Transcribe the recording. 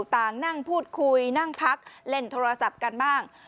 ต่างนั่งพูดคุยนั่งพักเล่นโทรศัพท์กันบ้าง